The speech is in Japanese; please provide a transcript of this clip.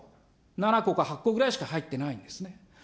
多い原子炉でも７個か８個ぐらいしか入ってないんですね。